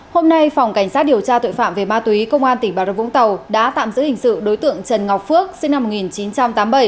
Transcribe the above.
hôm nay phòng cảnh sát điều tra tội phạm về ma túy công an tỉnh bà rập vũng tàu đã tạm giữ hình sự đối tượng trần ngọc phước sinh năm một nghìn chín trăm tám mươi bảy